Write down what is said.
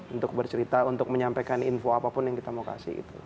untuk bercerita untuk menyampaikan info apapun yang kita mau kasih